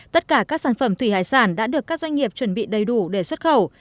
tất cả các sản phẩm thủy hải sản đã được các doanh nghiệp chuẩn bị đầy đủ để xuất khẩu